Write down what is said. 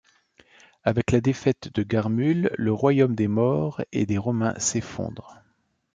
Avec la défaite de Garmul, le royaume des Maures et des Romains s'effondre.